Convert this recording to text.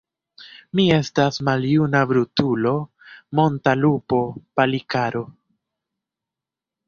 Mi estas maljuna brutulo, monta lupo, Palikaro!